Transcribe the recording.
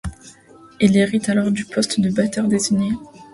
Il hérite alors du poste de batteur désigné.